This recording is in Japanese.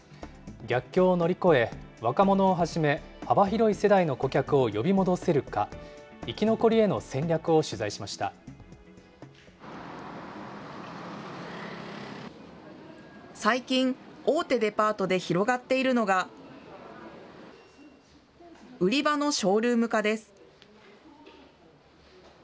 逆境を乗り越え、若者をはじめ、幅広い世代の顧客を呼び戻せるか、最近、大手デパートで広がっているのが、売り場のショールーム化です。